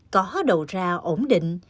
có đầu ra ổn định